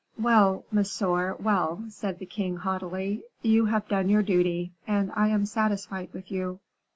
"Well, monsieur, well," said the king, haughtily; "you have done your duty, and I am satisfied with you.